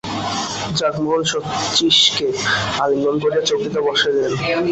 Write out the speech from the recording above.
জগমোহন শচীশকে আলিঙ্গন করিয়া চৌকিতে বসাইলেন।